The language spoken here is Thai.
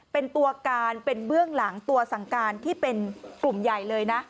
เป็นตัวการเป็นเบื้องหลังตัวสั่งการที่เป็นกลุ่มใหญ่เลยนะ